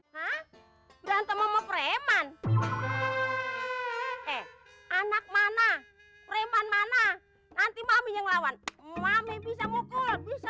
hai ha berantem sama preman eh anak mana preman mana nanti maminya ngelawan mami bisa mukul bisa